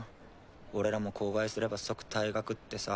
俺らも口外すれば即退学ってさ。